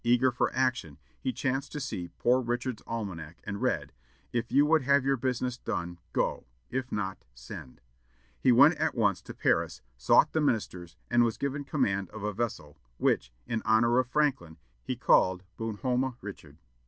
Eager for action, he chanced to see "Poor Richard's Almanac," and read, "If you would have your business done, go; if not, send." He went at once to Paris, sought the ministers, and was given command of a vessel, which, in honor of Franklin, he called Bon Homme Richard.